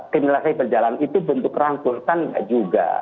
kriminalisasi berjalan itu bentuk rangkul kan nggak juga